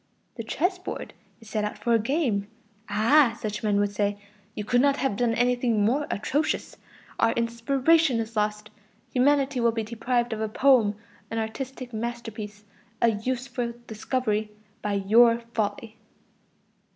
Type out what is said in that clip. The chess board is set out for a game. Ah! such men would say, "You could not have done anything more atrocious! Our inspiration is lost; humanity will be deprived of a poem, an artistic masterpiece, a useful discovery, by your folly."